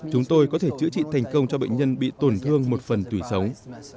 chúng tôi có thể chữa trị thành công cho bệnh nhân bị tổn thương một phần tủy sống